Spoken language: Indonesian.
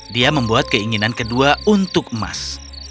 dia membuat keinginan kedua untuk emas